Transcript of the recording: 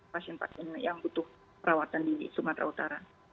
pasien pasien yang butuh perawatan di sumatera utara